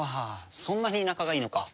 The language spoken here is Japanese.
そんなに田舎がいいのか？